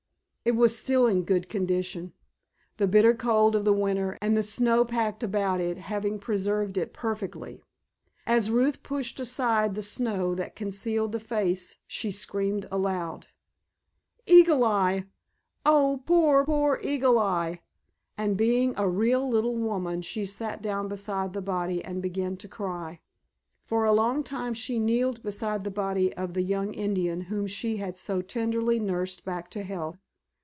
It was still in good condition, the bitter cold of the winter and the snow packed about it having preserved it perfectly. As Ruth pushed aside the snow that concealed the face she screamed aloud. "Eagle Eye! Oh, poor, poor Eagle Eye!" and being a real little woman she sat down beside the body and began to cry. For a long time she kneeled beside the body of the young Indian whom she had so tenderly nursed back to health.